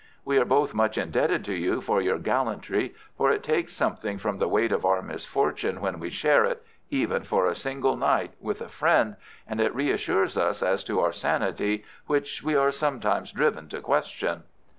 We are both much indebted to you for your gallantry, for it takes something from the weight of our misfortune when we share it, even for a single night, with a friend, and it reassures us as to our sanity, which we are sometimes driven to question."